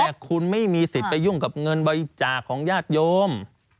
แต่คุณไม่มีสิทธิ์ไปยุ่งกับเงินบริจาคของญาติโยม